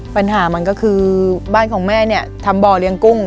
ปัญหามันก็คือบ้านของแม่เนี่ยทำบ่อเลี้ยงกุ้ง